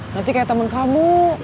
nanti kayaknya gak ada apa apa